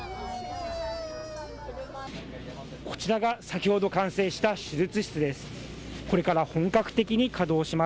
こちらが先ほど完成した手術室です。